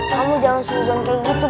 kamu jangan seru seru kayak gitu